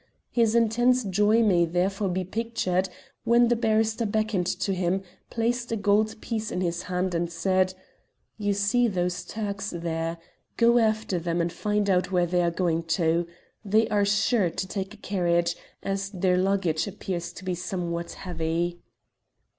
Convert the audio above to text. His intense joy may therefore be pictured when the barrister beckoned to him, placed a gold piece in his hand, and said "You see those Turks there. Go after them and find out where they are going to. They are sure to take a carriage, as their luggage appears to be somewhat heavy."